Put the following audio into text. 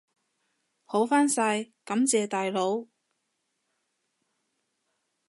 好返晒，感謝大佬！